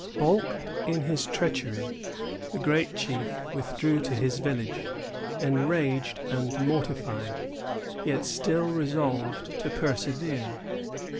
Balked in his treachery, the great chief withdrew to his village, enraged and mortified, yet still resolved to persevere.